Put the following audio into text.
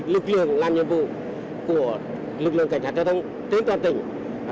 lực lượng làm nhiệm vụ của lực lượng cảnh sát giao thông trên toàn tỉnh